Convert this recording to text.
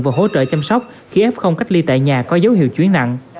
và hỗ trợ chăm sóc khi f cách ly tại nhà có dấu hiệu chuyến nặng